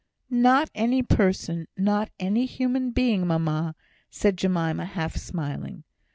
"Not any person not any human being, mamma," said Jemima, half smiling.